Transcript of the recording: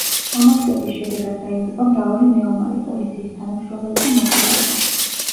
ამ აქტების შედეგად დაიღუპა მრავალი მეომარი, პოლიციის თანამშრომელი და მოქალაქე.